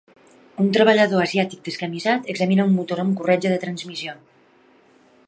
Un treballador asiàtic descamisat examina un motor amb corretja de transmissió.